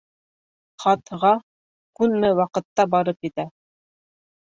Хат...-ға күнме ваҡытта барып етә?